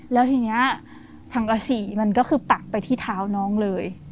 แล้วทีนี้สังกษีมันก็คือปักไปที่เท้าน้องเลย